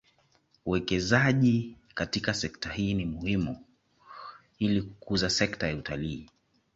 Uwekezaji katika sekta hii ni muhimu ili kukuza sekta ya utalii